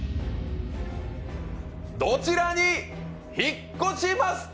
どちらに引っ越しますか？